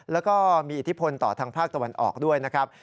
แล้วก็มีอิทธิพลต่อทางภาคตะวันออกด้วยนะครับ